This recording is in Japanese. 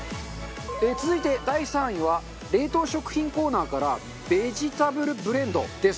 続いて第３位は冷凍食品コーナーからベジタブルブレンドです。